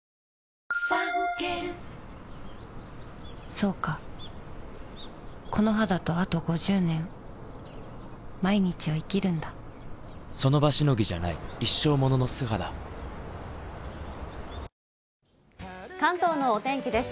そうかこの肌とあと５０年その場しのぎじゃない一生ものの素肌関東のお天気です。